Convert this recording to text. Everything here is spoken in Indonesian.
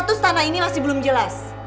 status tanah ini masih belum jelas